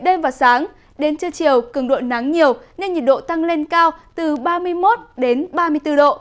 đêm và sáng đến trưa chiều cường độ nắng nhiều nên nhiệt độ tăng lên cao từ ba mươi một đến ba mươi bốn độ